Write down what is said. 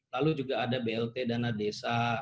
lalu juga ada blt dana desa